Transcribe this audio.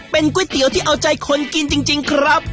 เป็นก๋วยเตี๋ยวที่เอาใจคนกินจริงครับ